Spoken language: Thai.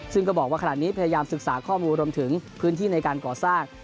ซึ่งก็บอกว่าขณะนี้พยายามศึกษาข้อมูลรวมถึงพื้นที่ในการก่อสร้าง